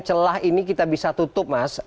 celah ini kita bisa tutup mas